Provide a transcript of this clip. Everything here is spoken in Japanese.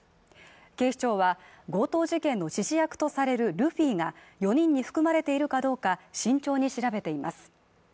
警視庁は、強盗事件の指示役とされるルフィが４人に含まれているかどうか慎重に調べています。